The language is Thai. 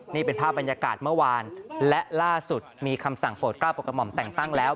นี่เป็นภาพบรรยากาศเมื่อวานและล่าสุดมีคำสั่งโปรดกล้าวโปรดกระหม่อมแต่งตั้งแล้ว